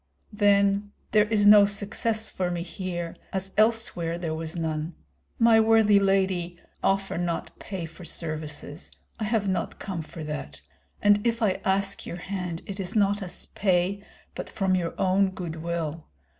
"Then there is no success for me here, as elsewhere there was none. My worthy lady, offer not pay for services, I have not come for that; and if I ask your hand it is not as pay, but from your own good will.